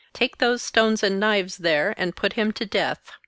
Take those stones and knives there and put him to death.